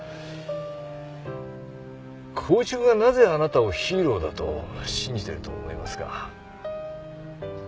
光一くんはなぜあなたをヒーローだと信じてると思いますか？